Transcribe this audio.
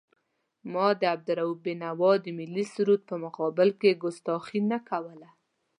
ما د عبدالرؤف بېنوا د ملي سرود په مقابل کې کستاخي نه کوله.